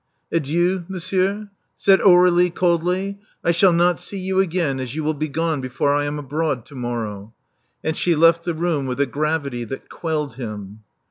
Adieu, monsieur," said Aur^lie coldly. I shall not see you again, as you will be gone before I am abroad to morrow." And she left the room with a gravity that quelled him.